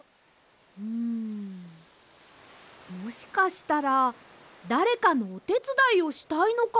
うんもしかしたらだれかのおてつだいをしたいのかもしれません。